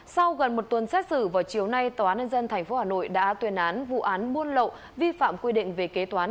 sau gần một tuần xét xử vào chiều nay tòa án nhân dân tp hà nội đã tuyên án vụ án buôn lậu vi phạm quy định về kế toán